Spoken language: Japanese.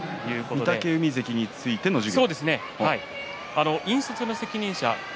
御嶽海関についての授業。